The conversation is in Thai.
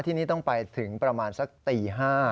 ที่นี่ต้องไปถึงประมาณสักตี๕